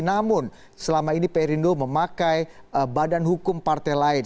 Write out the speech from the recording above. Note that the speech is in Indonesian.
namun selama ini perindo memakai badan hukum partai lain